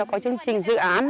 nó có chương trình dự án